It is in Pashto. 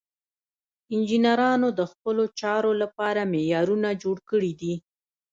انجینرانو د خپلو چارو لپاره معیارونه جوړ کړي دي.